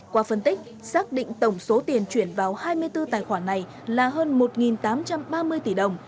qua phân tích xác định tổng số tiền chuyển vào hai mươi bốn tài khoản này là hơn một tám trăm ba mươi tỷ đồng